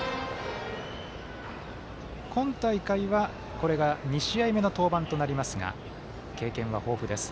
今大会は、これが２試合目の登板となりますが経験は豊富です。